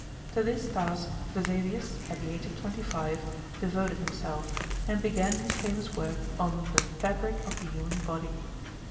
To this task Vesalius, at the age of twenty five, devoted himself, and began his famous work on the "Fabric of the Human Body."